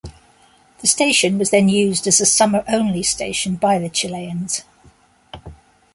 The station was then used as a summer only station by the Chileans.